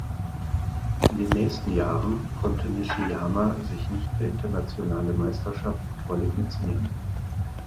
In den nächsten Jahren konnte Nishiyama sich nicht für internationale Meisterschaften qualifizieren.